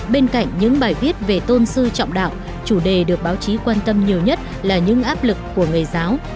bên cạnh những bài viết về tôn sư trọng đạo chủ đề được báo chí quan tâm nhiều nhất là những áp lực của người giáo